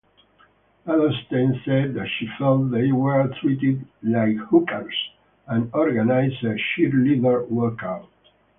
Edelstein said she felt they were treated "like hookers" and organized a cheerleader walkout.